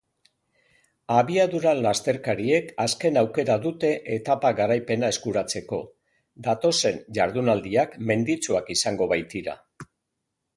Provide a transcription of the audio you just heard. Abiadura-lasterkariek azken aukera dute etapa garaipena eskuratzeko, datozen jardunaldiak menditsuak izango baitira.